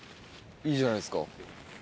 いいじゃないですか。